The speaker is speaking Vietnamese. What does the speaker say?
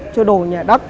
sơ đồ nhà đất